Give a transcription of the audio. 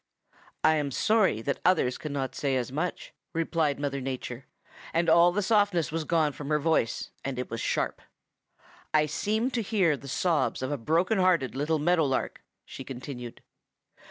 "'I am sorry that others cannot say as much,' replied Mother Nature, and all the softness was gone from her voice, and it was sharp. 'I seem to hear the sobs of a broken hearted little Meadow Lark,' she continued.